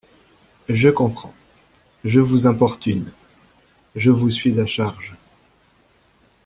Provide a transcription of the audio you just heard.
Je comprends… je vous importune… je vous suis à charge…